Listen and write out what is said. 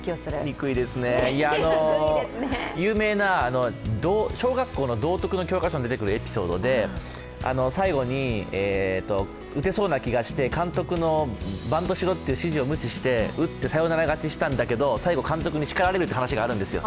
憎いですね、有名な小学校の道徳の教科書に出てくるエピソードで最後に打てそうな気がして監督のバントしろという指示を無視して無視して打ってサヨナラ勝ちしたんだけれど最後、監督にしかられるという話があるんですよ。